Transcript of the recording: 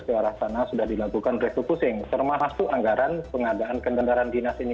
diantara tanah sudah dilakukan stembokising termasuk anggaran pengadaan kendaraan dinas ini